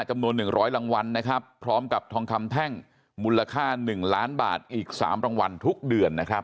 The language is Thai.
จำนวน๑๐๐รางวัลนะครับพร้อมกับทองคำแท่งมูลค่า๑ล้านบาทอีก๓รางวัลทุกเดือนนะครับ